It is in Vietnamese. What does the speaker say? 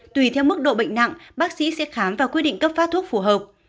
tùy theo mức độ bệnh nặng bác sĩ sẽ khám và quy định cấp phát thuốc phù hợp